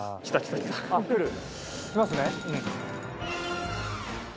来ますね。